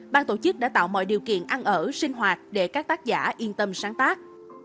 ban tổ chức đã tạo mọi điều kiện ăn ở sinh hoạt để các tác giả yên tâm sáng tác